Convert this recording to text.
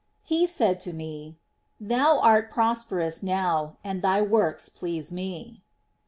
He said to me: "Thou art prosperous now, and thy w^orks please Me."